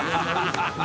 ハハハ